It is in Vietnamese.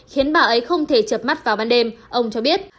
khiến bà ấy không thể chập mắt vào ban đêm ông cho biết